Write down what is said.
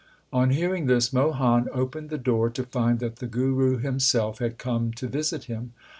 On hearing this, Mohan opened the door, to find that the Guru himself had come to visit him.